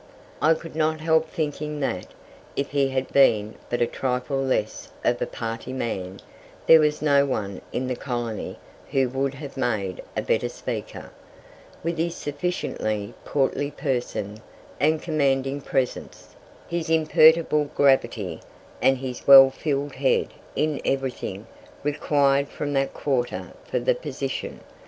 I could not help thinking that, if he had been but a trifle less of a party man, there was no one in the colony who would have made a better Speaker, with his sufficiently portly person and commanding presence, his imperturbable gravity, and his well filled head in everything required from that quarter for the position.